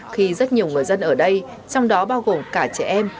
khi rất nhiều người dân ở đây trong đó bao gồm cả trẻ em